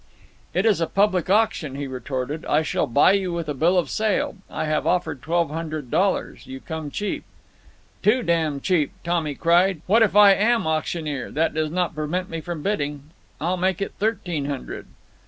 "It is a public auction," he retorted. "I shall buy you with a bill of sale. I have offered twelve hundred dollars. You come cheap." "Too damned cheap!" Tommy cried. "What if I am auctioneer? That does not prevent me from bidding. I'll make it thirteen hundred."